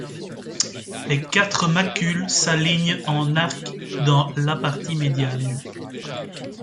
Les quatre macules s'alignent en arc dans la partie médiane.